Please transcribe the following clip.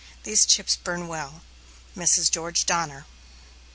These chips burn well. MRS. GEORGE DONNER.